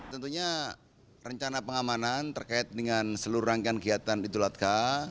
tentunya rencana pengamanan terkait dengan seluruh rangkaian kegiatan idul adha